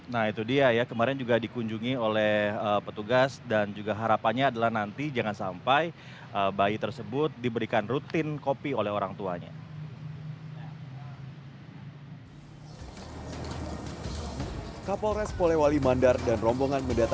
nah itu dia ya kemarin juga dikunjungi oleh petugas dan juga harapannya adalah nanti jangan sampai bayi tersebut diberikan rutin kopi oleh orang tuanya